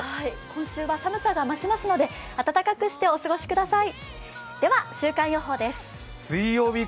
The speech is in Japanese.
今週は寒さが増しますので、暖かくしてお過ごしください。